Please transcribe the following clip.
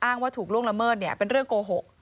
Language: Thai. ว่าถูกล่วงละเมิดเป็นเรื่องโกหก